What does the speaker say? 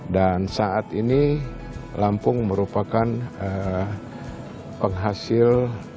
dan saat ini lampung merupakan penghasil